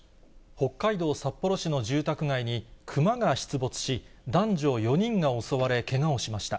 北海道札幌市の住宅街にクマが出没し、男女４人が襲われ、けがをしました。